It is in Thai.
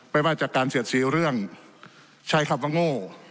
ไม่ว่าจากการเสียดสีเรื่องใช้คำว่าโง่